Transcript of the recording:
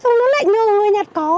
xong nó lệnh như người nhật có